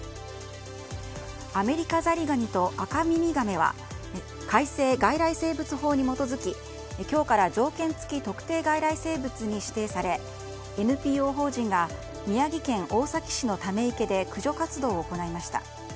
アメリカザリガニとアカミミガメは改正外来生物法に基づき今日から条件付特定外来生物に指定されＮＰＯ法人が宮城県大崎市のため池で駆除活動を行いました。